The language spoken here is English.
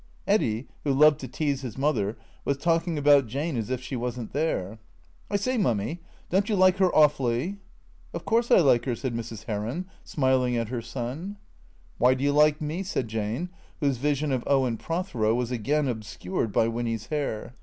Eddy, who loved to tease his mother, was talking about Jane as if she was n't there. " I say. Mummy, don't you like her awfully ?"" Of course I like her," said Mrs. Heron, smiling at her son. " Why do you like me ?" said Jane, whose vision of Owen Prothero was again obscured by Winny's hair.